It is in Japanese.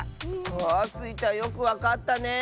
わあスイちゃんよくわかったね！